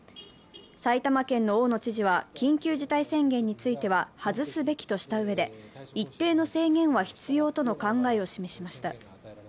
埼玉県の大野知事は緊急事態宣言については外すべきとしたうえで一定の制限は必要との考えを示しました。